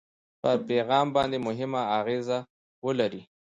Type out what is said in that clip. پر پیغام باندې مهمه اغېزه ولري.